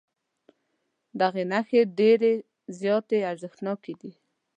دغه نښې ډېرې زیاتې ارزښتناکې دي.